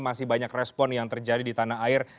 masih banyak respon yang terjadi di tanah air